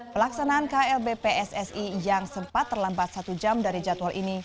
pelaksanaan klb pssi yang sempat terlambat satu jam dari jadwal ini